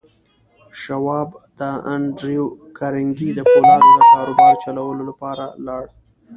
شواب د انډريو کارنګي د پولادو د کاروبار چلولو لپاره لاړ.